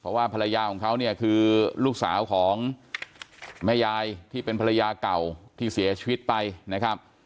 เพราะว่าภรรยาของเขาเนี่ยคือลูกสาวของแม่ยายที่เป็นภรรยาเก่าที่เสียชีวิตไปนะครับ